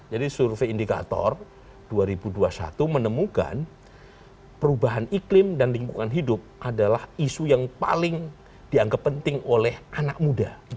jadi survei indikator dua ribu dua puluh satu menemukan perubahan iklim dan lingkungan hidup adalah isu yang paling dianggap penting oleh anak muda